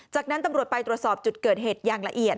จากนั้นตำรวจไปตรวจสอบจุดเกิดเหตุอย่างละเอียด